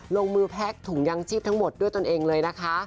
ลงมือแพ็กถุงยางชีพทั้งหมดด้วยตนเองเลยนะคะ